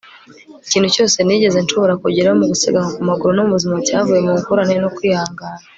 ikintu cyose nigeze nshobora kugeraho mu gusiganwa ku maguru no mu buzima cyavuye mu ngorane no kwihangana